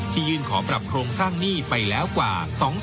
ยื่นขอปรับโครงสร้างหนี้ไปแล้วกว่า